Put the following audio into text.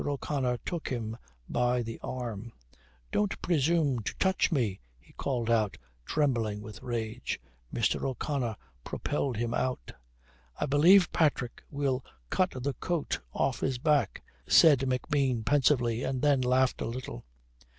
O'Connor took him by the arm. "Don't presume to touch me!" he called out, trembling with rage. Mr. O'Connor propelled him out. "I believe Patrick will cut the coat off his back," said McBean pensively and then laughed a little.